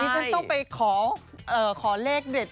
ฉันต้องไปขอเลขเด็ด